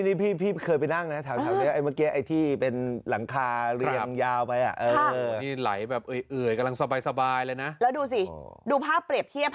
นี่พี่เคยไปนั่งนะแถวนี้เมื่อกี้ไอ้ที่เป็นหลังคาเรียงยาวไป